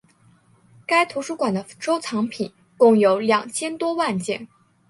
该图书馆的收藏品共有两千多万件。